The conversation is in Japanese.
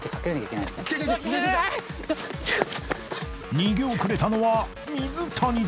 ［逃げ遅れたのは水谷だ］